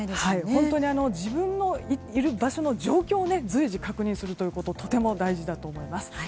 本当に自分のいる場所の状況を随時、確認することがとても大事だと思います。